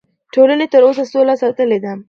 ټولنې تر اوسه سوله ساتلې ده.